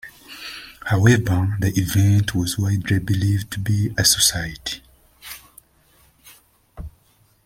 However, the event was widely believed to be a suicide.